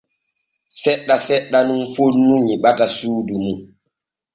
Seɗɗa seɗɗa nun foonu nyiɓata suudu mum.